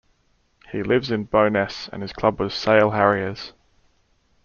He lives in Bo'ness and his club was Sale Harriers.